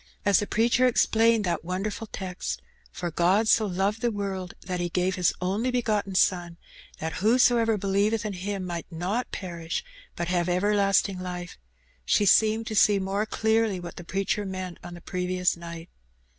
As the preacher explained that wonderfiil text, "For God so loved the world, that He gave His only begotten Son, that whosoever believeth in Him might not perish, but have everlasting Ufe,'' she seemed to see more clearly what the preacher meant on the previous night.